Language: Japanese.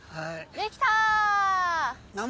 できた！